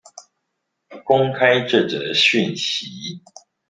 公開這則訊息